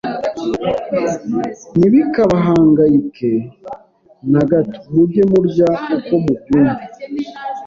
ntibikabahangayike na gato; mujye murya uko mubyumva;